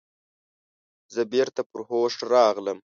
زه بیرته پر هوښ راغلم.